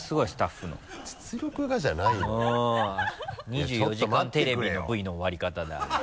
「２４時間テレビ」のＶの終わり方だあれ。